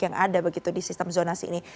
yang ada begitu di sistem zonasi ini